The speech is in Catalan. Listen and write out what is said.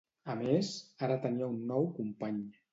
A més, ara tenia un nou company.